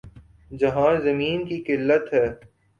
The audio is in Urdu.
جہاں زمین کی قلت ہے۔